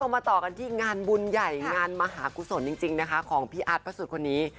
มาต่อกันที่งานบุญใหญ่งานมหากุศลจริงนะคะของพี่อาร์ตพระสุทธิ์คนนี้